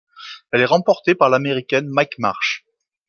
Elle est remportée par l'Américain Mike Marsh.